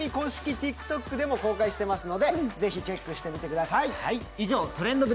ＴｉｋＴｏｋにもアップしてますのでぜひチェックしてみてください。